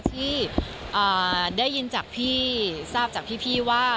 ที่ได้ยินจากพี่ทราบจากพี่ว่า